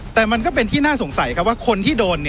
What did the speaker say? แต่มันก็เป็นที่น่าสงสัยครับว่าคนที่โดน